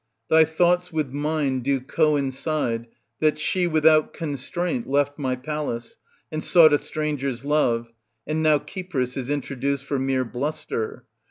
Thy thoughts with mine do coincide, that she, without constraint, left my palace, and sought a stranger's love, and now Cypris is introduced for mere bluster.